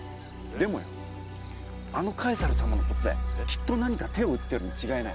でもよあのカエサル様のことだよきっと何か手を打ってるに違いない。